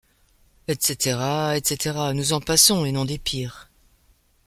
Etc. , etc. Nous en passons, et non des pires.